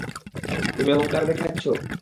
তুমি অহংকার দেখাচ্ছ?